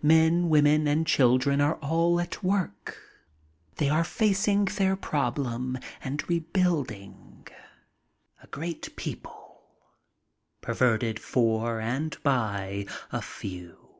Men, women, and children are all at work. They are facing their problem and rebuilding. A great people, perverted for and by a few.